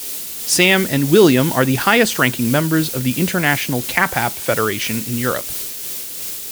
Sam and William are the highest-ranking members of the International Kapap Federation in Europe.